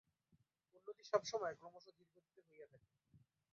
উন্নতি সব সময় ক্রমশ ধীর গতিতে হইয়া থাকে।